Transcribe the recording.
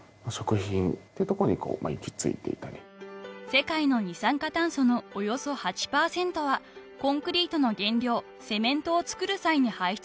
［世界の二酸化炭素のおよそ８％はコンクリートの原料セメントを作る際に排出されています］